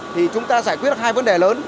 thì chúng ta giải quyết hai vấn đề lớn